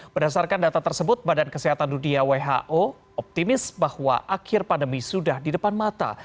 berdasarkan data tersebut badan kesehatan dunia who optimis bahwa akhir pandemi sudah di depan mata